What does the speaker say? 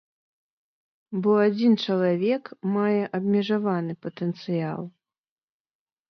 Бо адзін чалавек мае абмежаваны патэнцыял.